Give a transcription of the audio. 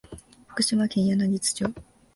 福島県柳津町